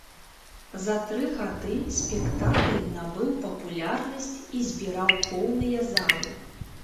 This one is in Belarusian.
За тры гады спектакль набыў папулярнасць і збіраў поўныя залы.